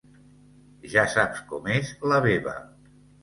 Ja saps com és la Veva.